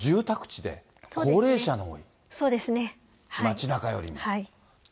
街なかよりも。